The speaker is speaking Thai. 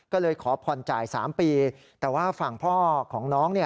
ก็เลยขอผ่อนจ่าย๓ปีแต่ว่าฝั่งพ่อของน้อง